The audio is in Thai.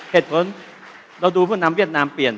เหตุผลเราดูผู้นำเวียดนามเปลี่ยน